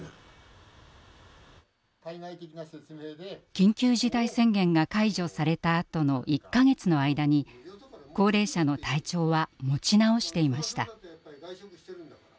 緊急事態宣言が解除されたあとの１か月の間に高齢者の体調は持ち直していました。